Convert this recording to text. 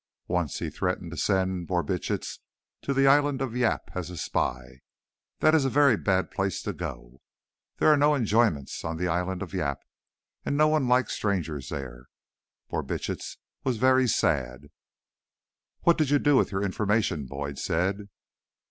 Once he threatened to send Borbitsch to the island of Yap as a spy. That is a very bad place to go to. There are no enjoyments on the island of Yap, and no ones likes strangers there. Borbitsch was very sad." "What did you do with your information?" Boyd said.